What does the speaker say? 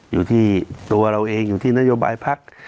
อยู่ที่ตัวเราเองอยู่ที่นโยบายพัก